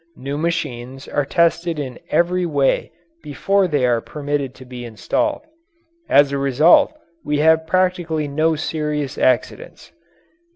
New machines are tested in every way before they are permitted to be installed. As a result we have practically no serious accidents.